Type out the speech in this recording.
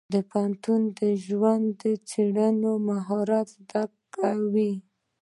د پوهنتون ژوند د څېړنې مهارت زده کوي.